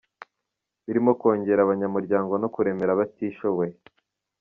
Birimo kongera abanyamuryango no kuremera abatishoboye.